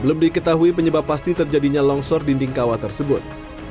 belum diketahui penyebab pasti terjadinya longsor dinding kawah tersebut